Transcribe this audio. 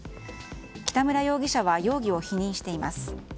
北村容疑者は容疑を否認しています。